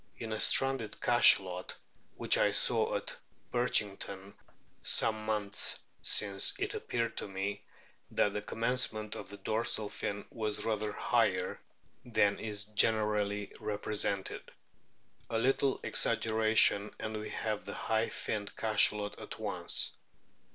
In a stranded Cachalot which I saw at Birchington some months since it appeared to me that the commencement of the dorsal fin was rather higher than is generally represented ; a little exaggeration and we have the High finned Cachalot at once.